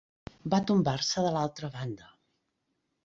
Va tombar-se de l'altra banda.